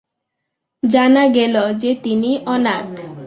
জানা গেল যে তিনি অনাথ।